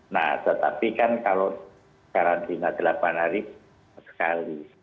nah tetapi kan kalau karantina delapan hari sekali